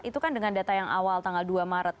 itu kan dengan data yang awal tanggal dua maret